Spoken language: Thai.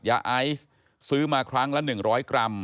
ยาไอซ์ซื้อมาครั้งละ๑๐๐กรัม